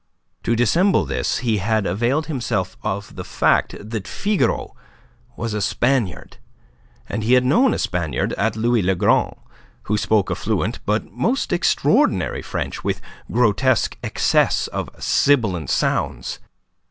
To dissemble this he had availed himself of the fact that Figaro was a Spaniard. He had known a Spaniard at Louis le Grand who spoke a fluent but most extraordinary French, with a grotesque excess of sibilant sounds.